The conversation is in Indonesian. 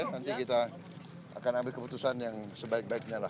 nanti kita akan ambil keputusan yang sebaik baiknya lah